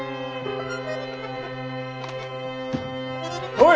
おい。